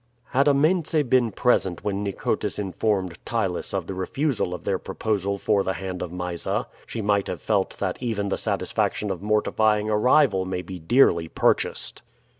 Had Amense been present when Nicotis informed Ptylus of the refusal of their proposal for the hand of Mysa, she might have felt that even the satisfaction of mortifying a rival may be dearly purchased.